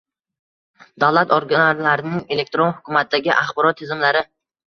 Davlat organlarining elektron hukumatdagi axborot tizimlari